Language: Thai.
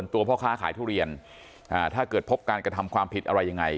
ตัวพ่อค้าขายทุเรียนถ้าเกิดพบการกระทำความผิดอะไรยังไง